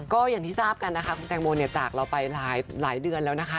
ก็อย่างที่ทราบกันนะคะคุณแตงโมเนี่ยจากเราไปหลายเดือนแล้วนะคะ